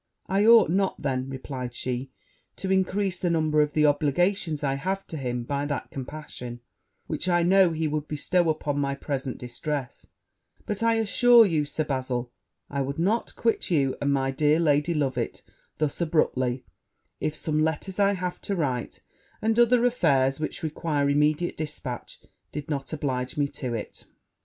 'I ought not, then,' replied she, 'to increase the number of obligations I have to him by that compassion which I know he would bestow on my present distress: but I assure you, Sir Bazil, I would not quit you and my dear Lady Loveit thus abruptly, if some letters I have to write, and other affairs which require immediate dispatch, did not oblige me to it.'